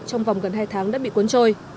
trong vòng gần hai tháng đã bị cuốn trôi